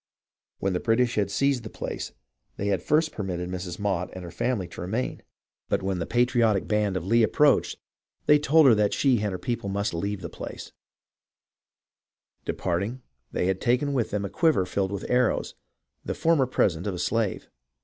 When the British had seized the place, they at first had permitted Mrs. Motte and her family to remain ; but when the patriotic band of Lee 356 HISTORY OF THE AMERICAN REVOLUTION approached, they told her that she and her people must leave the place. Departing, they had taken with them a quiver filled with arrows, the former present of a slave.